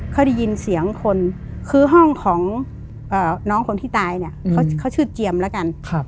เขาได้ยินเสียงคนคือห้องของน้องคนที่ตายเนี่ยเขาชื่อเจียมแล้วกัน